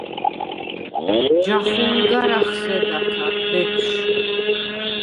ჯახუ̄ლ გარ ახსედა ქა, ბეფშვ.